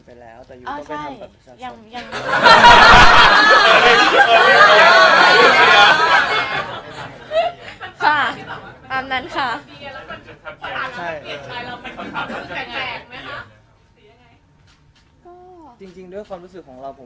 อยากจะขอเป็นเรื่องของครอบครัว